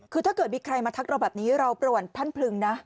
คือถ้าเกิดมีใครมาทักเราแบบนี้เราประวัติท่านพลึงนะ